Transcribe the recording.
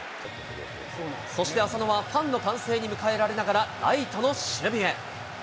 そして浅野はファンの歓声に迎えられながらライトの守備へ。